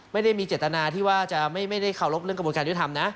ไม่ได้มีเจตนาที่ว่าจะไม่ได้เคารพเรื่องกระบวนการยุทธรรมนะ